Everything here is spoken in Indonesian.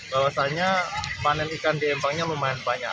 bahwasannya panen ikan di empangnya lumayan banyak